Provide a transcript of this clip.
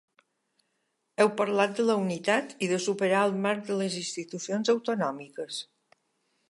Heu parlat de la unitat i de superar el marc de les institucions autonòmiques.